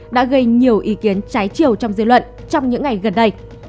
đã gây nhiều ý kiến trái chiều trong dư luận trong những ngày gần đây